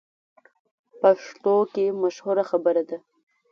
پښتو کې مشهوره خبره ده: